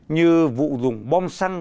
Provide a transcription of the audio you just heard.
như vụ dùng bom xăng